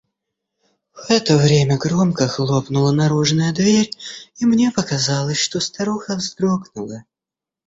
В это время громко хлопнула наружная дверь, и мне показалось, что старуха вздрогнула.